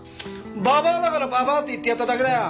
ババアだからババアって言ってやっただけだよ！